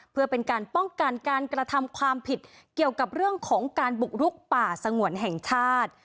เพื่อเป็นการป้องกันการกระทำความผิดเกี่ยวกับเรื่องของการบุกรุกป่าสงวนแห่งชาติ